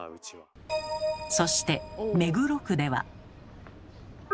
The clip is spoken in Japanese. そして目黒区では。